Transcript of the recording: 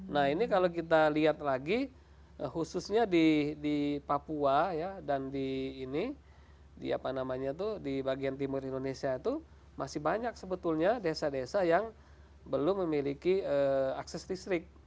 nah ini kalau kita lihat lagi khususnya di papua dan di bagian timur indonesia itu masih banyak sebetulnya desa desa yang belum memiliki akses listrik